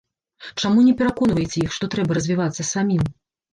Чаму не пераконваеце іх, што трэба развівацца самім?